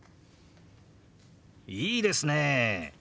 いいですね！